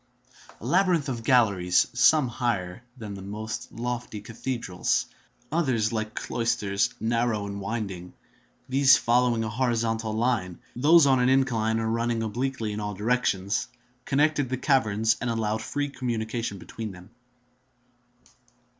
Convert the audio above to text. A labyrinth of galleries, some higher than the most lofty cathedrals, others like cloisters, narrow and winding—these following a horizontal line, those on an incline or running obliquely in all directions—connected the caverns and allowed free communication between them.